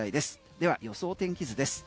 では、予想天気図です。